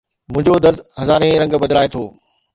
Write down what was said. منهنجو درد هزارين رنگ بدلائي ٿو